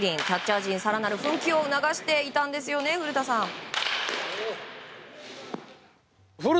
キャッチャー陣、更なる奮起を促していたんですよね古田さん。